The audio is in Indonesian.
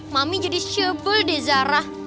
mami jadi sebel deh zara